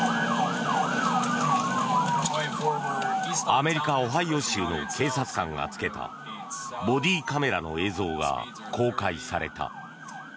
アメリカ・オハイオ州の警察官がつけたボディーカメラの映像が公開された。